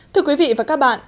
thưa quý vị và các bạn